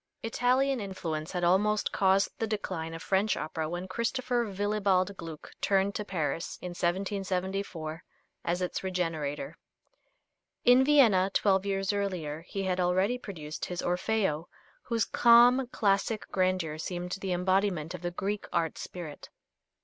Italian influence had almost caused the decline of French opera when Christopher Willibald Gluck turned to Paris, in 1774, as its regenerator. In Vienna, twelve years earlier, he had already produced his "Orfeo," whose calm, classic grandeur seemed the embodiment of the Greek art spirit.